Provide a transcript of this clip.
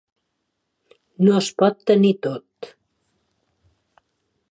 No es pot tenir tot.